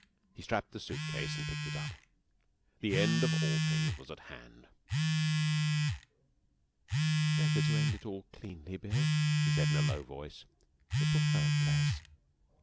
He strapped the suitcase and picked it up. The end of all things was at hand. 'Better to end it all cleanly, Bill,' she said, in a low voice. 'It will hurt less.'